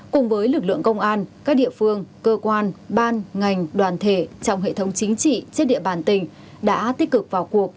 cùng với lực lượng công an các địa phương cơ quan ban ngành đoàn thể trong hệ thống chính trị trên địa bàn tỉnh đã tích cực vào cuộc